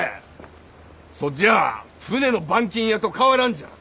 そっじゃ船の板金屋と変わらんじゃん。